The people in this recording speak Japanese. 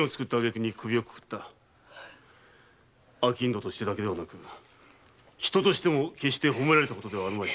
商人としてだけでなく人として褒められた事ではあるまい。